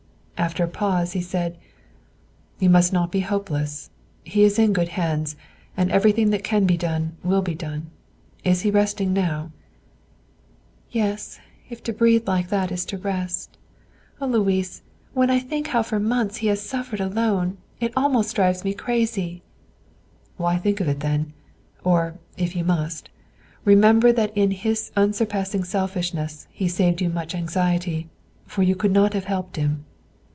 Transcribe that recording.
After a pause he said, "You must not be hopeless; he is in good hands, and everything that can be done will be done. Is he resting now?" "Yes; if to breathe like that is to rest. Oh, Louis, when I think how for months he has suffered alone, it almost drives me crazy." "Why think of it, then? Or, if you must, remember that in his surpassing unselfishness he saved you much anxiety; for you could not have helped him."